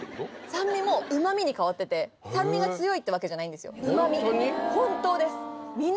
酸味もうま味に変わってて酸味が強いってわけじゃないんですよ本当です！